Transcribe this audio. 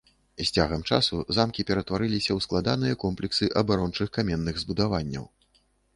З цягам часу замкі ператварыліся ў складаныя комплексы абарончых каменных збудаванняў.